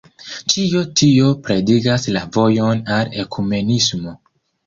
Ĉio tio pretigas la vojon al ekumenismo.